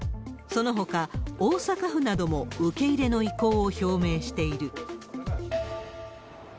そのほか、大阪府なども受け入れの意向を表明している。